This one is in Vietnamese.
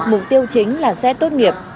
mục tiêu chính là xét tốt nghiệp